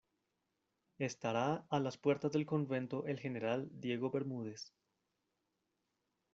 estará a las puertas del convento el general Diego Bermúdez.